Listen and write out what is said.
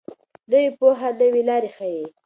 نوې پوهه نوې لارې ښيي.